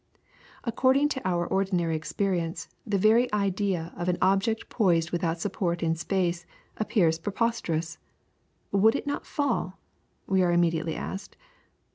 According to our ordinary experience, the very idea of an object poised without support in space, appears preposterous. Would it not fall? we are immediately asked.